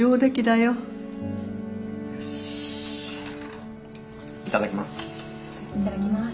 いただきます。